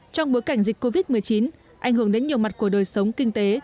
trong bối cảnh dịch covid một mươi chín ảnh hưởng đến nhiều mặt của đời sống kinh tế